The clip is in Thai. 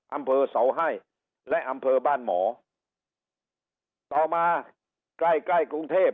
อำเภอเสาให้และอำเภอบ้านหมอต่อมาใกล้ใกล้กรุงเทพ